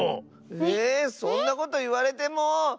えそんなこといわれても！